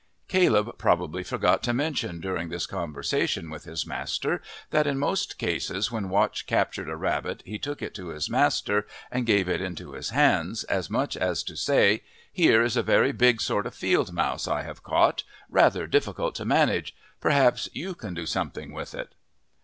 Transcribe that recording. Caleb probably forgot to mention during this conversation with his master that in most cases when Watch captured a rabbit he took it to his master and gave it into his hands, as much as to say, Here is a very big sort of field mouse I have caught, rather difficult to manage perhaps you can do something with it?